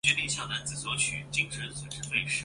凯库拉岭位于新西兰南岛东北部的两座平行山脉。